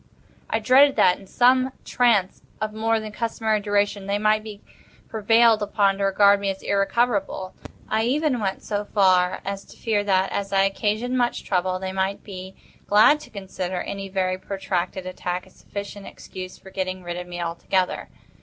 I dreaded that, in some trance of more than customary duration, they might be prevailed upon to regard me as irrecoverable. I even went so far as to fear that, as I occasioned much trouble, they might be glad to consider any very protracted attack as sufficient excuse for getting rid of me altogether.